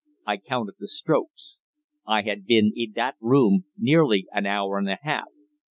I counted the strokes. I had been in that room nearly an hour and a half.